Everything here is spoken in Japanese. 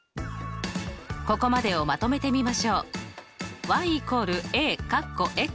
ここまでをまとめてみましょう。